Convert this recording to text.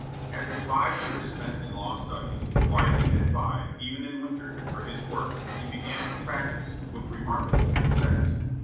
After five years spent in law studies, rising at five, even in winter, for his work, he began to practise, with remarkable success.